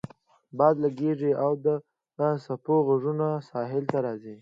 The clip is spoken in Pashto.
باد لګیږي او د څپو غږونه ساحل ته راځي